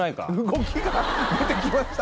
動きが出てきました。